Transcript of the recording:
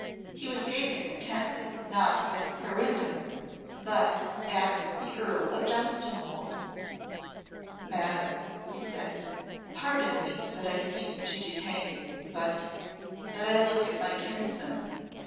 He was gazing intently, not at Clorinda, but at the Earl of Dunstanwolde. "Madam," he said, "pardon me that I seem to detain you, but but I look at my kinsman.